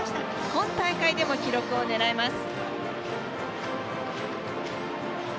今大会でも記録を狙います。